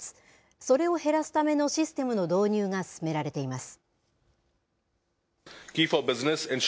それを減らすためのシステムの導入が進められています。